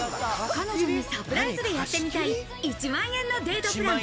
彼女にサプライズでやってみたい１万円のデートプラン。